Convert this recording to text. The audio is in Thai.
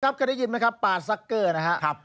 เคยได้ยินไหมครับปลาซักเกอร์นะครับ